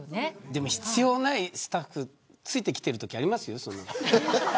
でも必要ないスタッフついてきているときありますよ。